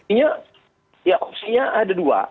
ini ya opsinya ada dua